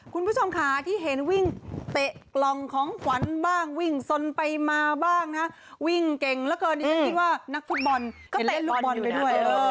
คุณผู้ชมค่ะที่เห็นวิ่งเตะกล่องของขวัญบ้างวิ่งสนไปมาบ้างนะวิ่งเก่งเหลือเกินดิฉันคิดว่านักฟุตบอลก็เต้นลูกบอลไปด้วย